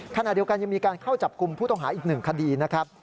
ขณะเดียวกันยังมีการเข้าจับกลุ่มผู้ต้องหาอีก๑คดีนะครับ